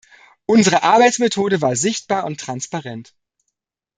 Unsere Arbeitsmethode war sichtbar und transparent.